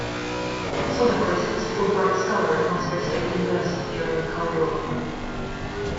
Soderquist was a Fulbright Scholar at Moscow State University during the Cold War.